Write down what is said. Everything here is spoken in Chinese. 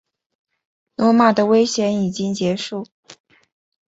罗马的危险已经结束。